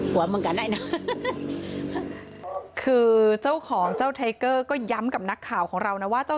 เหมือนกันได้นะคือเจ้าของเจ้าไทเกอร์ก็ย้ำกับนักข่าวของเรานะว่าเจ้า